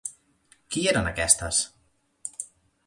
Qui hi eren aquestes?